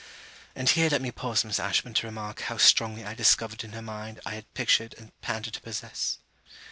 And here let me pause, Miss Ashburn, to remark how strongly I discovered in her mind I had pictured and panted to possess.